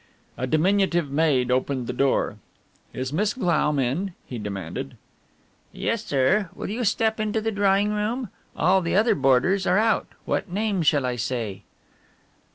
A diminutive maid opened the door. "Is Miss Glaum in?" he demanded. "Yes, sir. Will you step into the drawing room. All the other boarders are out. What name shall I say?"